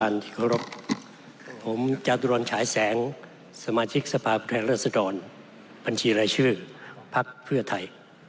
ที่เคารพผมจาตุรนฉายแสงสมาชิกสภาพผู้แทนรัศดรบัญชีรายชื่อพักเพื่อไทย